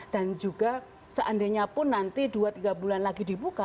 dan juga seandainya pun nanti dua tiga bulan lagi dibuka